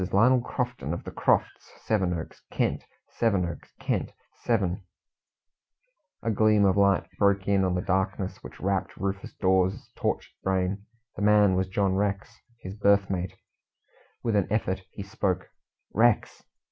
Lionel Crofton, of the Crofts, Sevenoaks, Kent Sevenoaks, Kent Seven " A gleam of light broke in on the darkness which wrapped Rufus Dawes's tortured brain. The man was John Rex, his berth mate. With an effort he spoke. "Rex!"